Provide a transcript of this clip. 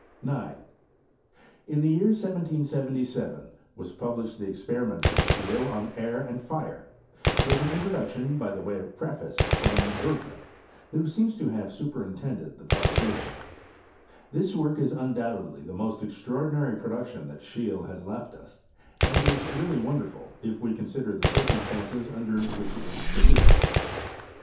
9. In die year 1777 was published the Experi ments of Scheele on Air and Fire, with an intro duction, by way of preface, from Bergman, who seems to have superintended the publication, Thi« work is undoubtedly the most extraordinary pro duction that Scheele has left us ; and is really won derful, if we consider the circumstances under whidi it was produced.